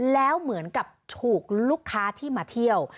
แล้วเหมือนกับถูกลูกค้าที่มาเที่ยว